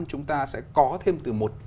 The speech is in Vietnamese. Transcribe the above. chúng ta sẽ có thêm từ một năm